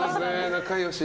仲良し。